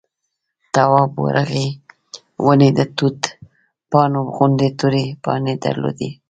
تواب ورغی ونې د توت پاڼو غوندې تورې پاڼې درلودې.